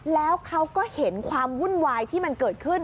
แล้วเขาก็เห็นความวุ่นวายที่มันเกิดขึ้น